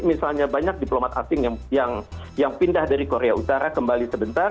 misalnya banyak diplomat asing yang pindah dari korea utara kembali sebentar